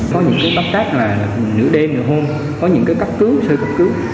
có những cấp trách là nửa đêm nửa hôm có những cấp cứu sơ cấp cứu